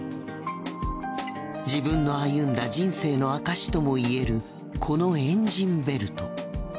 自分の歩んだ人生の証しともいえるこのエンジンベルト。